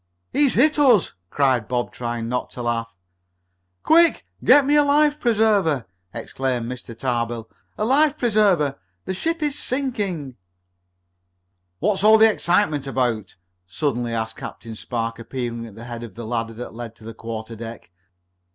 "He's hit us!" cried Bob, trying not to laugh. "Quick! Get me a life preserver!" exclaimed Mr. Tarbill. "A life preserver! The ship is sinking!" [Illustration: "A life preserver! The ship is sinking!"] "What's all the excitement about?" suddenly asked Captain Spark, appearing at the head of the ladder that led to the quarterdeck.